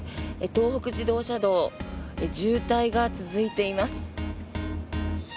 東北自動車道渋滞が続いています。